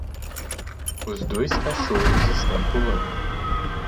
Os dois cachorros estão pulando.